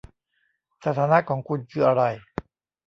สถานะของคุณคืออะไร